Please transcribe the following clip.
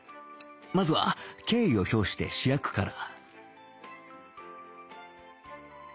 まずは敬意を表して主役から